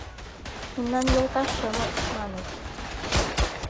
Мемнан йолташ шымыт, маныт